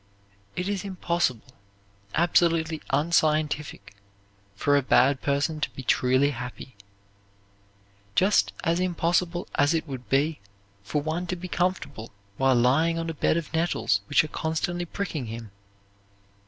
It is impossible, absolutely unscientific, for a bad person to be truly happy; just as impossible as it would be for one to be comfortable while lying on a bed of nettles which are constantly pricking him.